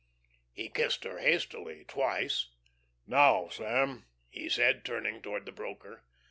He kissed her hastily twice. "Now, Sam," he said, turning toward the broker.